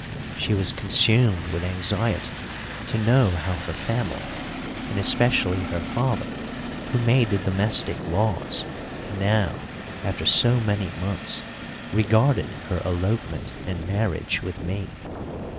She was consumed with anxiety to know how her family, and especially her father, who made the domestic laws, now, after so many months, regarded her elopement and marriage with me.